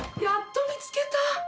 やっと見つけた。